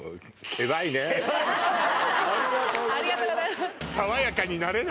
ありがとうございます